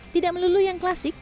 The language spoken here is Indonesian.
tidak melulu yang klasik